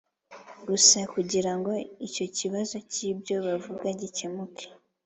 gusa kugira ngo icyo kibazo cy ibyo bavuga gikemuke